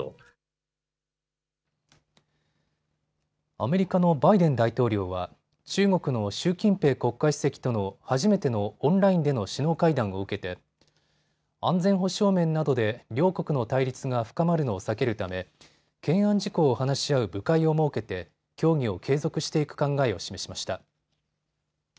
アメリカのバイデン大統領は中国の習近平国家主席との初めてのオンラインでの首脳会談を受けて安全保障面などで両国の対立が深まるのを避けるため懸案事項を話し合う部会を設けて協議を継続していく考えを示しました。